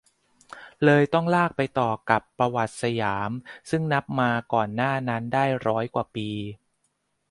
เลยต้องลากไปต่อกับประวัติสยาม ซึ่งนับมาก่อนหน้านั้นได้ร้อยกว่าปี